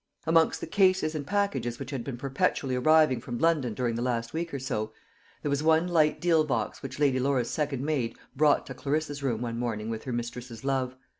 Amongst the cases and packages which had been perpetually arriving from London during the last week or so, there was one light deal box which Lady Laura's second maid brought to Clarissa's room one morning with her mistress's love.